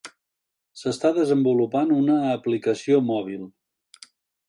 S'està desenvolupant una aplicació mòbil.